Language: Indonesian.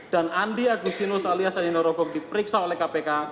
dan andi agusinus alias aino rogoff diperiksa oleh kpk